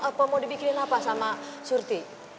atau mau dibikinin apa sama surti